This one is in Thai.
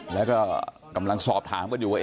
แล้วก็กำลังสอบถามกันอยู่ว่า